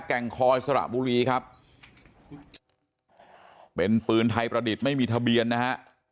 แก่งคอยสระบุรีครับเป็นปืนไทยประดิษฐ์ไม่มีทะเบียนนะฮะ